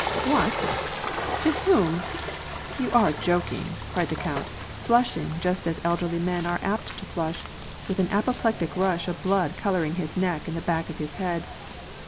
" What ? To whom ? You are joking !" cried the count, flushing, just as elderly men are apt to flush, with an apoplec tic rush of blood coloring his neck and the back of his head.